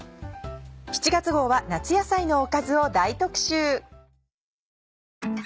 ７月号は夏野菜のおかずを大特集。